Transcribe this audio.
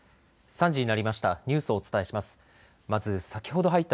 ３時になりました。